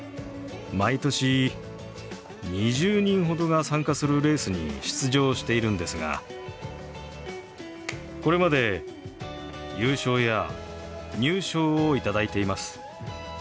毎年２０人ほどが参加するレースに出場しているんですがこれまで優勝や入賞を頂いています。